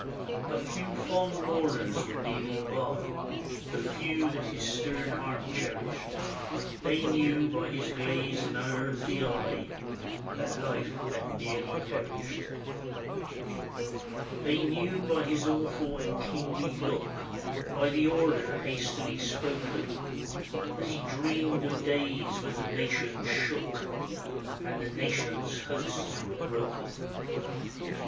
A few fond mourners were kneeling by, The few that his stern heart cherished; They knew by his glazed and unearthly eye That life had nearly perished. They knew by his awful and kingly look, By the order hastily spoken, That he dreamed of days when the nations shook, And the nations' hosts were broken.